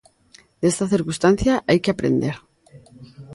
Desta circunstancia hai que aprender.